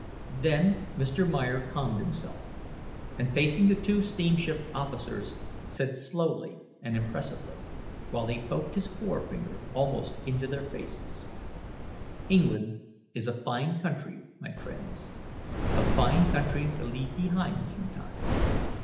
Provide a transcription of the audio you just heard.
Then Mr. Meyer calmed himself, and facing the two steamship officers, said, slowly and impressively, while he poked his forefinger almost into their faces: "England is a fine country, my friends a fine country to leave pehind sometimes.